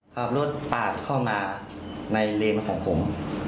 ขับรถปาดเข้ามาในเลนของผม